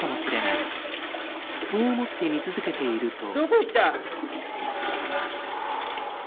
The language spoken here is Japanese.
そう思って見続けていると。